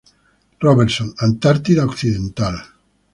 Robertson, Antártida Occidental.